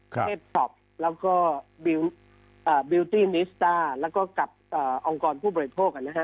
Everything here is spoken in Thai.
ครับแล้วก็เอ่อแล้วก็กับเอ่อองค์กรผู้บริโภคอ่ะนะฮะ